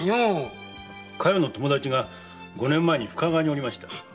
加代の友達が五年前に深川におりましてね。